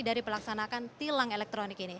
dari pelaksanaan tilang elektrik